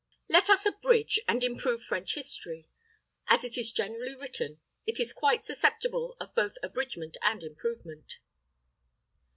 Let us abridge and improve French history. As it is generally written, it is quite susceptible of both abridgment and improvement.